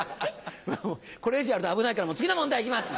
これ以上やると危ないから次の問題いきます。